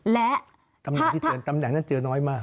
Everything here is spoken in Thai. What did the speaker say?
และตำแหน่งนั้นเจอน้อยมาก